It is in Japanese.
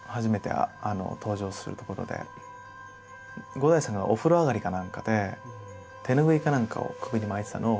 五代さんがお風呂上がりかなんかで手拭いかなんかを首に巻いてたのを